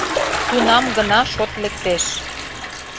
Тунам гына шот лектеш.